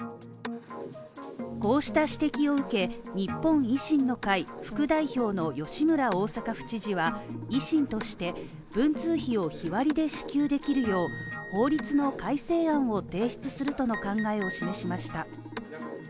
こうした指摘を受け、日本維新の会副代表の吉村大阪府知事は維新として、文通費を日割りで支給できるよう法律の改正案を提出するとの考えを示しました。